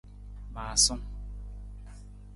Maasung.